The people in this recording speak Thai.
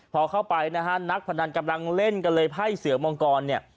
พอเข้าไปนะฮะนักพนันกำลังเล่นกันเลยไพ่เสือมังกรเนี่ย